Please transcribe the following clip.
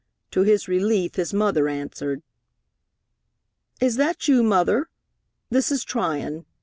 To his relief, his mother answered. "Is that you, Mother? This is Tryon.